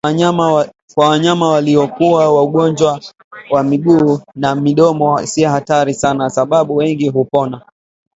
Kwa wanyama waliokua ugonjwa wa miguu na midomo si hatari sana sababu wengi hupona